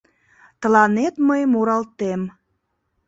Тыланет мый муралтем